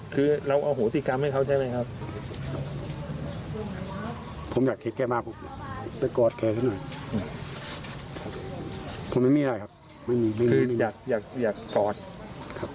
คืออยากอยากกอดครับพี่ชายนั่นเลยครับ